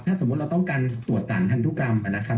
ใช่ครับถ้าสมมติเราต้องการตรวจต่างพันธุกรรมอ่ะนะครับ